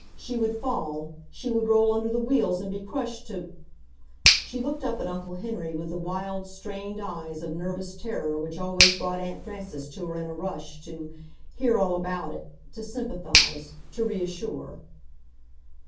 She would fall, she would roll under the wheels and be crushed to ... She looked up at Uncle Henry with the wild, strained eyes of nervous terror which always brought Aunt Frances to her in a rush to "hear all about it," to sympathize, to reassure.